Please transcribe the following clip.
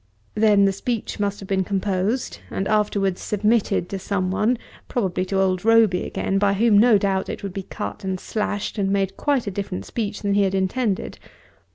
Then the speech must have been composed, and afterwards submitted to someone, probably to old Roby again, by whom no doubt it would be cut and slashed, and made quite a different speech than he had intended.